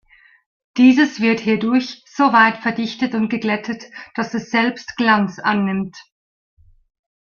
Dieses wird hierdurch so weit verdichtet und geglättet, dass es selbst Glanz annimmt.